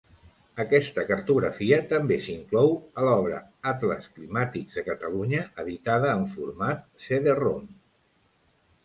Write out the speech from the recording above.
Aquesta cartografia també s’inclou a l’obra Atles Climàtics de Catalunya editada en format cd-rom.